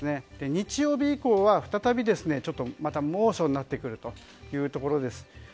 日曜日以降は再びまた猛暑になってくるところです。